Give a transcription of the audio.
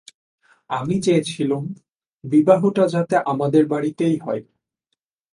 আমি চেয়েছিলুম, বিবাহটা যাতে আমাদের বাড়িতেই হয়।